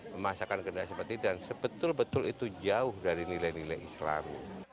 memasakkan kendala seperti ini dan sebetul betul itu jauh dari nilai nilai islam